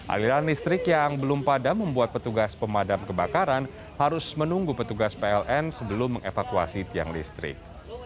aliran listrik yang belum padam membuat petugas pemadam kebakaran harus menunggu petugas pln sebelum mengevakuasi tiang listrik